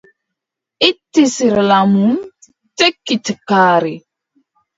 Itti sirla mum, tekki tekkaare.